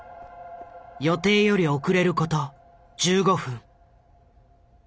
予定より遅れる事１５分。